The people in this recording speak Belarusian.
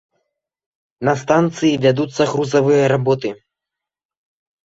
На станцыі вядуцца грузавыя работы.